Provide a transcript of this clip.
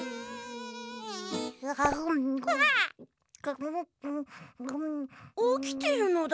わあっ！おきてるのだ。